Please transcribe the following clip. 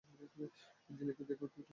অ্যাঞ্জেলাকে দেখাও তো একটু!